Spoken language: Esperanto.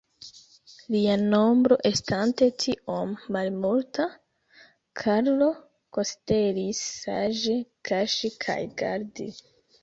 Lia nombro estante tiom malmulta, Karlo konsideris saĝe kaŝi kaj gardi.